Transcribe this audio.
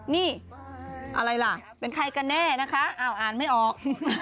นี่อะไรล่ะเป็นใครกันแน่นะคะอ้าวอ่านไม่ออก